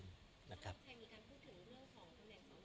หรือเรื่องของคนเด็กของคนหลายคนเป็นการต่างตอบแทนนะคะ